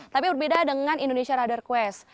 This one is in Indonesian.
tapi berbeda dengan indonesia rider quest